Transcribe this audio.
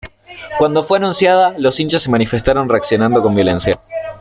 Cuando fue anunciada, los hinchas se manifestaron reaccionando con violencia.